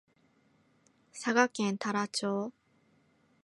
佐賀県太良町